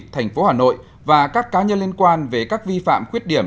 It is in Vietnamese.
thành phố hà nội và các cá nhân liên quan về các vi phạm khuyết điểm